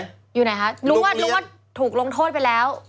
อยู่ไหนคะรู้ว่ารู้ว่าถูกลงโทษไปแล้ว